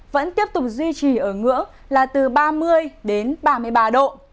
vẫn tiếp tục duy trì ở ngưỡng là từ ba mươi đến ba mươi ba độ